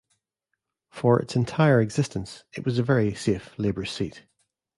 For its entire existence, it was a very safe Labor seat.